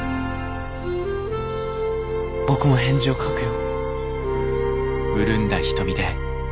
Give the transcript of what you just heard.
．僕も返事を書くよ。